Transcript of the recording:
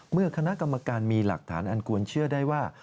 เมื่อคณะกรรมการมีหลักฐานอันควรเชื่อได้ว่า